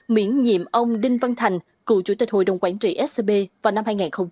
miễn nhiệm ông đinh văn thành cựu chủ tịch hội đồng quản trị scb vào năm hai nghìn một mươi